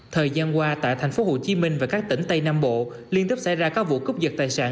thời gian qua tại thành phố hồ chí minh và các tỉnh tây nam bộ liên tiếp xảy ra các vụ cúp giật tài sản